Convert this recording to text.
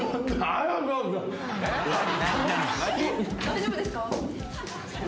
大丈夫ですか？